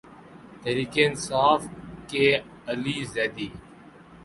تحریک انصاف کے علی زیدی